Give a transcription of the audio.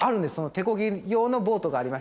手こぎ用のボートがありまして。